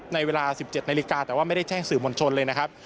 ในเวลา๑๗นาฬิกาแต่ว่าไม่ได้แจ้งสื่อมวลชนเลยนะครับ